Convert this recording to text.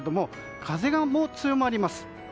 風も強まります。